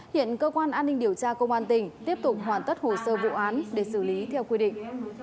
hiện cơ quan an ninh điều tra công an tỉnh tiếp tục hoàn tất hồ sơ vụ án để xử lý theo quy định